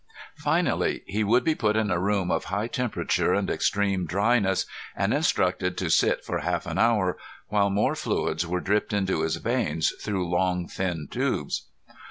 Finally, he would be put in a room of high temperature and extreme dryness, and instructed to sit for half an hour while more fluids were dripped into his veins through long thin tubes.